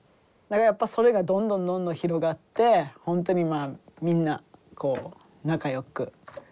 やっぱそれがどんどんどんどん広がって本当にみんなこう仲よく。